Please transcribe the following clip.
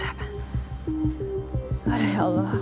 apa yang terjadi